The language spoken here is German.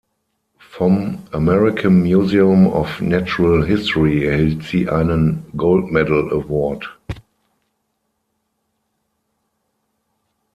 Vom American Museum of Natural History erhielt sie einen „Gold Medal Award“.